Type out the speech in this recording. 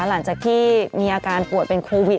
หลังจากที่มีอาการป่วยเป็นโควิด